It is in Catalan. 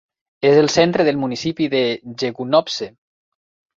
És el centre del municipi de Jegunovce.